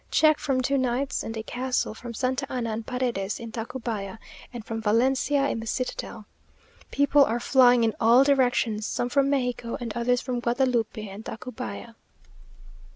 Check from two knights and a castle from Santa Anna and Paredes in Tacubaya, and from Valencia in the citadel. People are flying in all directions, some from Mexico, and others from Guadalupe and Tacubaya....